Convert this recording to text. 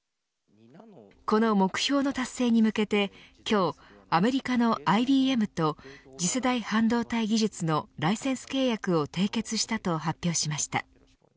この目標の達成に向けて今日、アメリカのＩＢＭと次世代半導体技術のライセンス契約を締結したと発表しました。